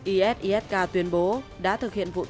isisk tuyên bố đã thực hiện vụ tấn công